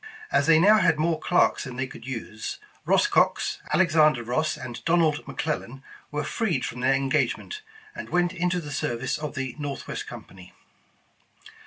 As they now had more clerks than they could use, Eoss Cox, Alexander Ross, and Donald McLellan were freed from their engagement, and went into the service of the Northwest Company.